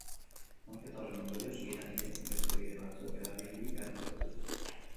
Mozketa horren ondorioz, gidariek beste bide batzuk erabili beharko dituzte.